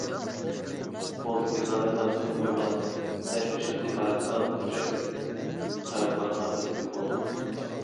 «قولىدىكى ناننى تارتقۇزۇپ قويماسلىق» تەشۋىشىدىن ئىبارەت ئەڭ پۈچەك قايغۇلارغا مەھكۇم بولۇۋاتقان.